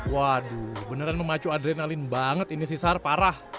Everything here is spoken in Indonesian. waduh beneran memacu adrenalin banget ini sih sar parah